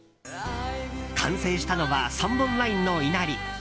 完成したのは３本ラインのいなり。